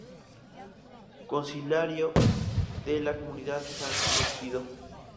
Consiliario de la comunidad de Sant’Egidio.